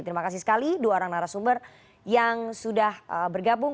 terima kasih sekali dua orang narasumber yang sudah bergabung